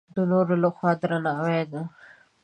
د نورو له خوا درناوی ده.